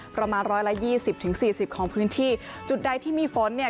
ประมาณร้อยละยี่สิบถึงสี่สิบของพื้นที่จุดใดที่มีฝนเนี่ย